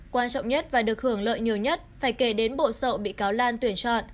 quan trọng nhất và được hưởng lợi nhiều nhất phải kể đến bộ sậu bị cáo lan tuyển chọn